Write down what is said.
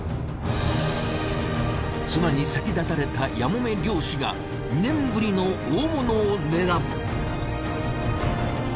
妻に先立たれたやもめ漁師が２年ぶりの大物を狙う。